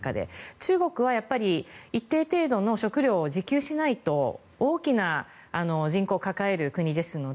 中国は一定程度の食料を自給しないと大きな人口を抱える国ですので。